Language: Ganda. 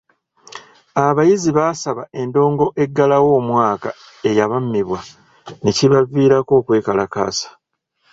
Abayizi baasaba endongo eggalawo omwaka eyabammibwa ne kibaviirako okwekalakaasa.